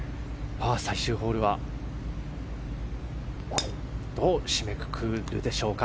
最終ホールはどう締めくくるでしょうか。